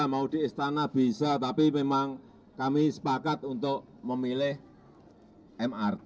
mau di istana bisa tapi memang kami sepakat untuk memilih mrt